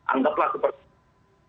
anggaplah seperti itu